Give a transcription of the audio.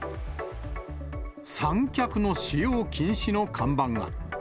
三脚の使用禁止の看板が。